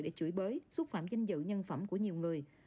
để chửi bới xúc phạm danh dự nhân phẩm của nhiều người